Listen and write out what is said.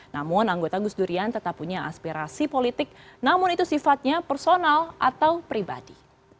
namun anggota gus durian tetap punya aspirasi politik namun itu sifatnya personal atau pribadi